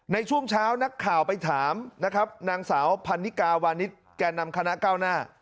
ในช่วงเช้านักข่าวไปถามนะครับนางสาวพันนิกาวานิสแก่นำคณะก้าวหน้า